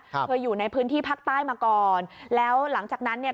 เคยอยู่ในพื้นที่ภาคใต้มาก่อนแล้วหลังจากนั้นเนี่ย